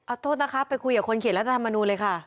เอาโทษนะคะไปคุยกับคนเขียนรัฐธรรมนูลเลยค่ะ